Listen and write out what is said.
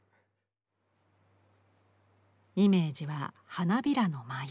イメージは花びらの舞い。